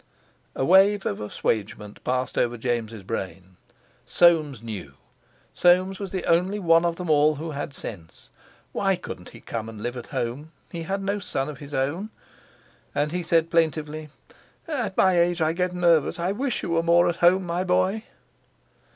A wave of assuagement passed over James' brain. Soames knew. Soames was the only one of them all who had sense. Why couldn't he come and live at home? He had no son of his own. And he said plaintively: "At my age I get nervous. I wish you were more at home, my boy."